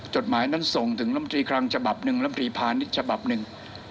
จดหมายนั้นส่งถึงลำตรีคลังฉบับหนึ่งลำตรีพาณิชย์ฉบับหนึ่ง